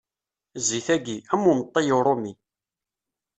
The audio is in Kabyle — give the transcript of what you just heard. Zzit-agi, am umeṭṭi uṛumi.